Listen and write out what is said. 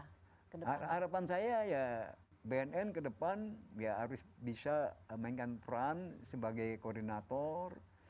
harapan saya ya bnn ke depan ya harus bisa mainkan peran sebagai koordinator